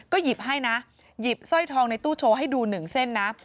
ก็หยิบให้นะหยิบเส้อยทองในตู้โชว์ให้ดู๑เส้น